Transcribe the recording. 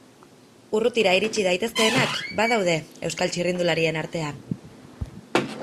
Urrutira iritsi daitezkeenak badaude Euskal txirrindularien artean.